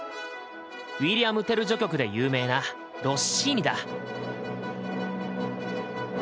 「ウィリアム・テル」序曲で有名なロッシーニだ。